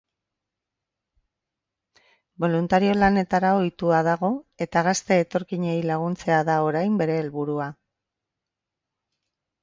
Boluntario lanetara ohitua dago, eta gazte etorkinei laguntzea da orain bere helburua.